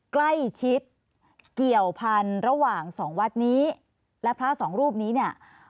ใกล้ชิดเกี่ยวพันธุ์ระหว่างสองวัดนี้และพระสองรูปนี้เนี่ย